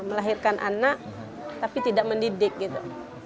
melahirkan anak tapi tidak mendidik gitu